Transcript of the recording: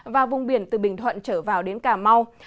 và vùng biển từ bình thuận trở vào đến cà mau